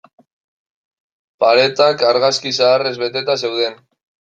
Paretak argazki zaharrez beteta zeuden.